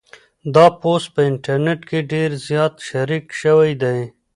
دا پوسټ په انټرنيټ کې ډېر زیات شریک شوی دی.